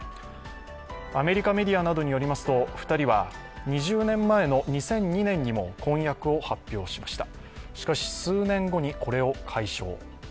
アメリカメディアなどによりますと２人は、２０年前の２００２年にも婚約を発表しました。